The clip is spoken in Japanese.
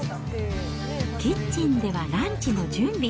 キッチンではランチの準備。